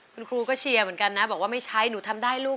คุณครูก็เชียร์เหมือนกันนะบอกว่าไม่ใช้หนูทำได้ลูก